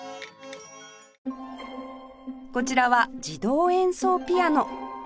こちらは自動演奏ピアノ